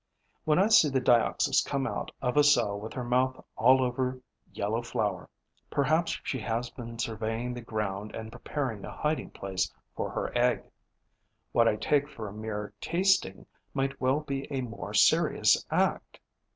When I see the Dioxys come out of a cell with her mouth all over yellow flour, perhaps she has been surveying the ground and preparing a hiding place for her egg. What I take for a mere tasting might well be a more serious act.